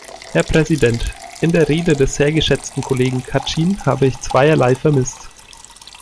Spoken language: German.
Herr Präsident! In der Rede des sehr geschätzten Kollegen Kacin habe ich zweierlei vermisst.